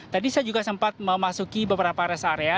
tadi saya juga sempat memasuki beberapa rest area